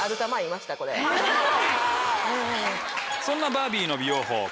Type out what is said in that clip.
そんなバービーの美容法